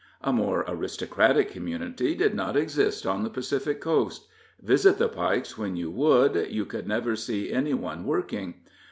A more aristocratic community did not exist on the Pacific Coast. Visit the Pikes when you would, you could never see any one working.